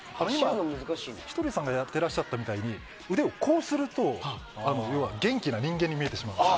ひとりさんがやってらっしゃったみたいに腕を振ると元気な人間に見えてしまうんです。